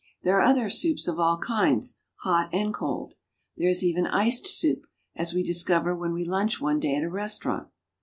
There are other soups of all kinds, hot and cold. There is even iced soup, as we discover when we lunch one day at a restaurant.